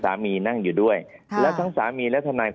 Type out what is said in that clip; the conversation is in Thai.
ภารกิจสรรค์ภารกิจสรรค์